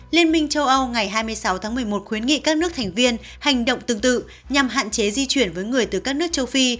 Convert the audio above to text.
liên minh châu âu ngày hai mươi sáu tháng một mươi một khuyến nghị các nước thành viên hành động tương tự nhằm hạn chế di chuyển với người từ các nước châu phi